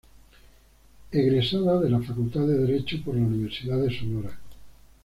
Egresada de la Facultad de Derecho por la Universidad de Sonora.